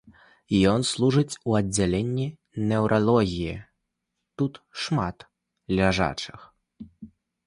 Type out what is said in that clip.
Ён служыць у аддзяленні неўралогіі, тут шмат ляжачых.